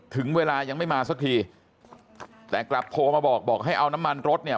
ถึงเวลายังไม่มาสักที